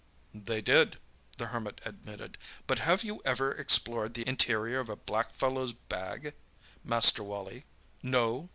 "They did," the Hermit admitted. "But have you ever explored the interior of a black fellow's bag, Master Wally? No?